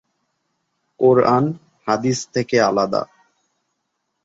কোরআন হাদিস থেকে আলাদা।